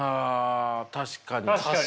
確かにね。